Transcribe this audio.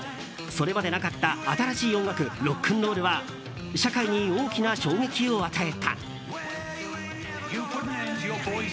それまでなかった新しい音楽ロックンロールは社会に大きな衝撃を与えた。